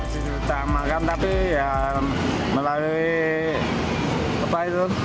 kita makan tapi melalui apa itu